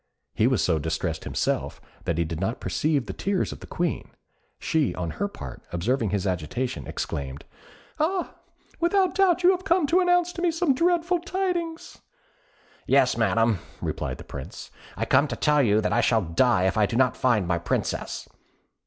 He was so distressed himself that he did not perceive the tears of the Queen. She, on her part, observing his agitation, exclaimed, "Ah! without doubt, you have come to announce to me some dreadful tidings!" "Yes, Madam," replied the Prince; "I come to tell you that I shall die if I do not find my Princess."